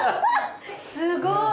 すごい。